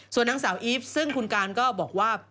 ส่วนนางสาวอีฟซึ่งคุณการก็บอกว่า